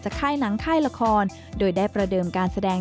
ค่ายหนังค่ายละครโดยได้ประเดิมการแสดง